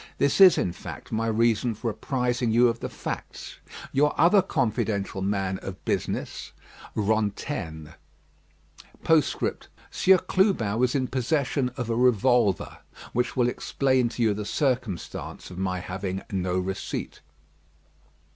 This is, in fact, my reason for apprising you of the facts. "Your other confidential man of business, "RANTAINE. "Postscript Sieur Clubin was in possession of a revolver, which will explain to you the circumstance of my having no receipt."